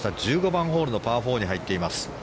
１５番ホールのパー４に入っています。